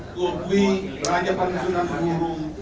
berhubungan dengan raja panjurang guru